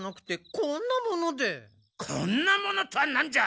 こんなものとはなんじゃ！